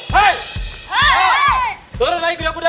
haikal bakalan bikin ibu bangga